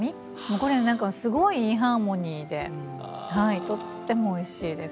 これが何かすごいいいハーモニーではいとってもおいしいです。